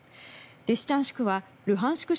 リシチャンシクはルハンシク